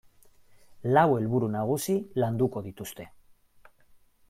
Lau helburu nagusi landuko dituzte.